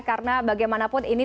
karena bagaimanapun ini